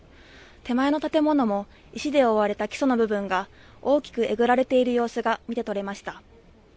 手前の建物も石で覆われた基礎の部分が大きくえぐられている様子が見てとれました。